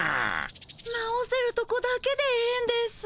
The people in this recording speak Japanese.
直せるとこだけでええんです。